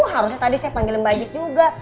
harusnya tadi saya panggilin bajis juga